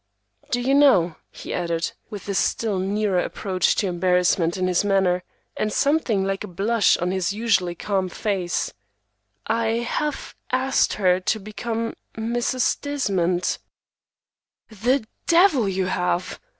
"Do you know," he added, with a still nearer approach to embarrassment in his manner, and something like a blush on his usually calm face, "I have asked her to become Mrs. Desmond." "The devil you have!"